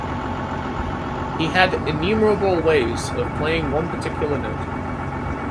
He had innumerable ways of playing one particular note.